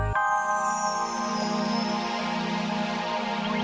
ya jadi satu